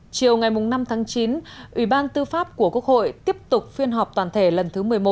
chiều ngày năm tháng chín ủy ban tư pháp của quốc hội tiếp tục phiên họp toàn thể lần thứ một mươi một